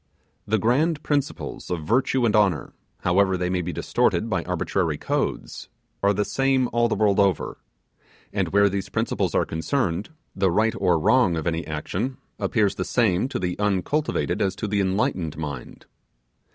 The grand principles of virtue and honour, however they may be distorted by arbitrary codes, are the same all the world over: and where these principles are concerned, the right or wrong of any action appears the same to the uncultivated as to the enlightened mind.